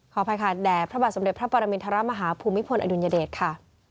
อภัยค่ะแด่พระบาทสมเด็จพระปรมินทรมาฮาภูมิพลอดุลยเดชค่ะ